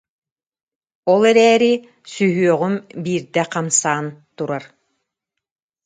Ол эрээри сүһүөҕүм биирдэ хамсаан турар»